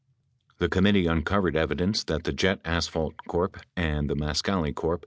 The committee uncovered evidence that the Jet Asphalt Corp. and the Mascali Corp.